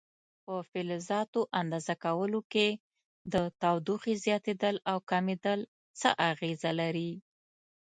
په فلزاتو اندازه کولو کې د تودوخې زیاتېدل او کمېدل څه اغېزه لري؟